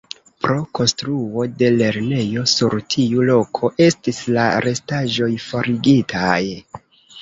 Pro konstruo de lernejo sur tiu loko estis la restaĵoj forigitaj.